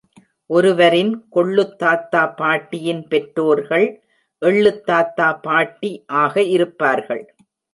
ஒருவரின் கொள்ளுத் தாத்தா பாட்டியின் பெற்றோர்கள் "எள்ளுத் தாத்தா பாட்டி" ஆக இருப்பார்கள்.